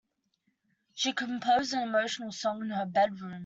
She composed an emotional song in her bedroom.